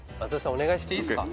お願いしていいっすか？